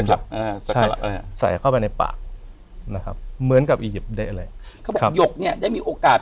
เอ่อใส่เข้าไปในปากนะครับเหมือนกับอียิปต์ได้เลยเขาบอกหยกเนี้ยได้มีโอกาส